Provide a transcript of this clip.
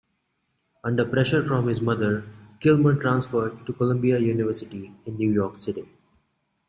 Under pressure from his mother, Kilmer transferred to Columbia University in New York City.